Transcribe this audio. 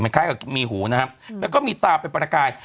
มันคล้ายกับมีหูนะฮะแล้วก็มีตาเป็นปลากาย